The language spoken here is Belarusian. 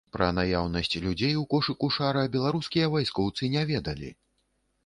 Пра наяўнасць людзей у кошыку шара беларускія вайскоўцы не ведалі.